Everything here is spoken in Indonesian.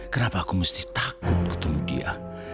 kenapa aku mesti takut ketemu dia